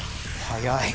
早い。